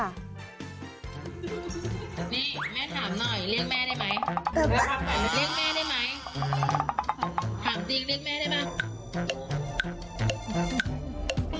นี่แม่ถามหน่อยเรียกแม่ได้ไหม